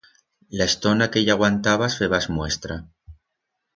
La estona que i aguantabas, febas muestra.